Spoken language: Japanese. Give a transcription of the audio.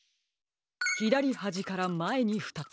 ひだりはじからまえにふたつ。